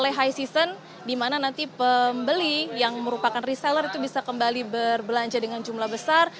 oleh high season di mana nanti pembeli yang merupakan reseller itu bisa kembali berbelanja dengan jumlah besar